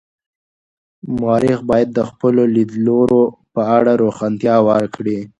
مورخ باید د خپلو لیدلورو په اړه روښانتیا ورکړي.